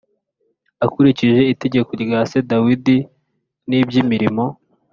Akurikije itegeko rya se dawidi n iby imirimo